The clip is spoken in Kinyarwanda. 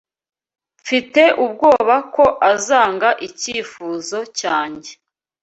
Mfite ubwoba ko azanga icyifuzo cyanjye.